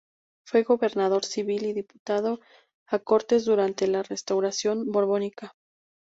Fue gobernador civil y diputado a Cortes durante la Restauración borbónica.